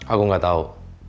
aku gak tau